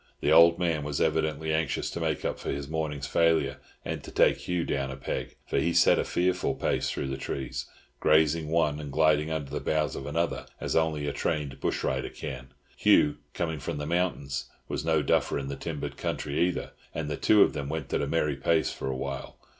The old man was evidently anxious to make up for his morning's failure, and to take Hugh down a peg, for he set a fearful pace through the trees, grazing one and gliding under the boughs of another as only a trained bush rider can. Hugh, coming from the mountains, was no duffer in timbered country either, and the two of them went at a merry pace for a while.